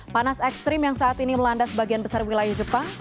panas ekstrim yang saat ini melanda sebagian besar wilayah jepang